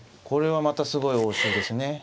これはまたすごい応酬ですね。